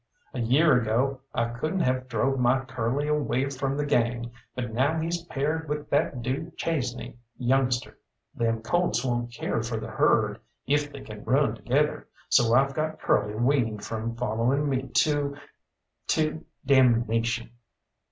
A year ago I couldn't have drove my Curly away from the gang, but now he's paired with that du Chesnay youngster. Them colts won't care for the herd if they can run together, so I've got Curly weaned from following me to to damnation."